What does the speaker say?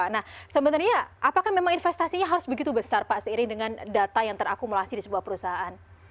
nah sebenarnya apakah memang investasinya harus begitu besar pak seiring dengan data yang terakumulasi di sebuah perusahaan